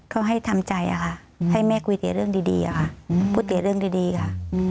เขาให้ทำใจค่ะให้แม่ก๋วเตี๋ยเรื่องดีอะค่ะพูดเสียเรื่องดีค่ะ